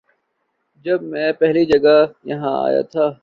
جب میں پہلی جگہ یہاں آیا تھا